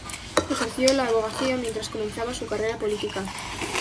Ejerció la abogacía mientras comenzaba su carrera política.